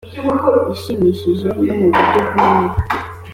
ishimishije yo mu buryo bw umwuka